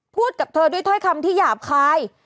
กับเธอด้วยถ้อยคำที่หยาบคาย